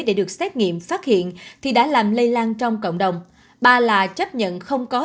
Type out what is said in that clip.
để được xét nghiệm phát hiện thì đã làm lây lan trong cộng đồng ba là chấp nhận không có